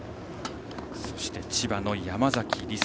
そして千葉の山崎りさ。